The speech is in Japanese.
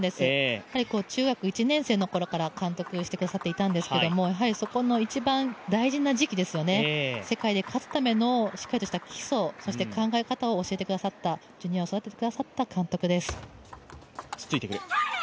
中学１年生のころから監督してくださっていたんですけれども、そこの一番大事な時期ですよね、世界で勝つためのしっかりとした基礎、そして考え方を教えてくださった監督です。